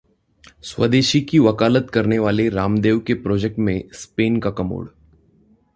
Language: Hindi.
स्वदेशी की वकालत करने वाले रामदेव के प्रोजेक्ट में स्पेन का कमोड